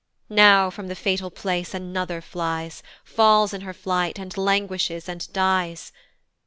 Now from the fatal place another flies, Falls in her flight, and languishes, and dies.